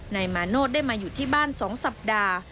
นายมาโนธได้มาอยู่ที่บ้าน๒สัปดาห์